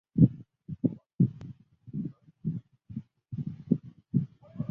科吕人口变化图示